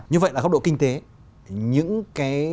như vậy là góc độ kinh tế những cái